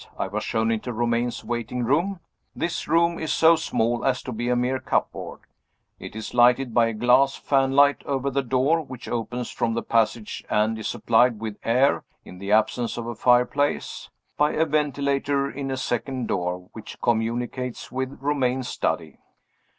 I was shown into Romayne's waiting room. This room is so small as to be a mere cupboard. It is lighted by a glass fanlight over the door which opens from the passage, and is supplied with air (in the absence of a fireplace) by a ventilator in a second door, which communicates with Romayne's study.